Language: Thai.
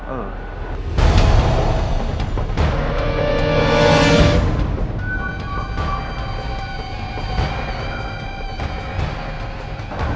เออ